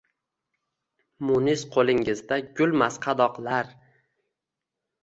Munis qulingizda gulmas qadoqlar